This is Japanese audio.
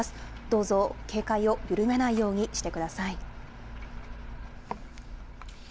どうぞ警戒を緩めないようにしてください。